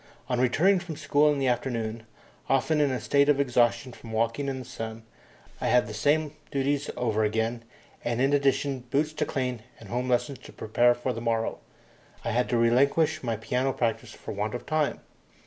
On returning from school in the afternoon, often in a state of exhaustion from walking in the blazing sun, I had the same duties over again, and in addition boots to clean and home lessons to prepare for the morrow. I had to relinquish my piano practice for want of time.